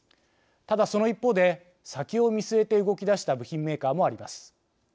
ただその一方で先を見据えて動きだした部品メーカーもあります。